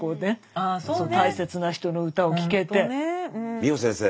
美穂先生